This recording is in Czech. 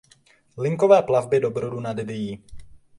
Linkové plavby do Brodu nad Dyjí.